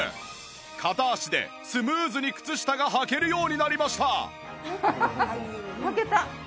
片足でスムーズに靴下がはけるようになりました